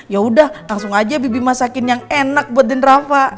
ya udah langsung aja bibi masakin yang enak buat den rafa